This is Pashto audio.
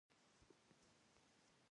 په تیاره کې مطالعه ولې بده ده؟